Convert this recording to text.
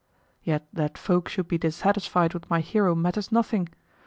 Yet that folk should be dissatisfied with my hero matters nothing.